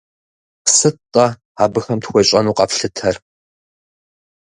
Сыт-тӀэ абыхэм тхуещӀэну къэфлъытэр?